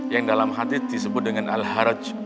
yang dalam hadis disebut dengan alharaj